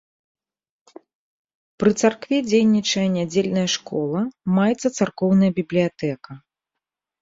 Пры царкве дзейнічае нядзельная школа, маецца царкоўная бібліятэка.